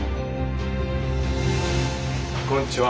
こんにちは。